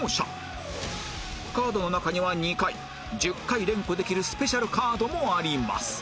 カードの中には２回１０回連呼できるスペシャルカードもあります